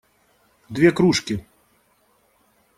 Две кружки.